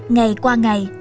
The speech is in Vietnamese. ngày qua ngày